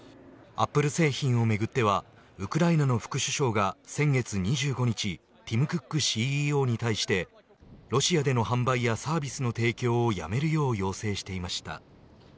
アップル製品をめぐってはウクライナの副首相が先月２５日ティム・クックＣＥＯに対してロシアでの販売やサービスの提供をやめるよう要請していました。